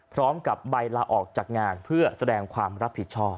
พร้อมกับใบลาออกจากงานเพื่อแสดงความรับผิดชอบ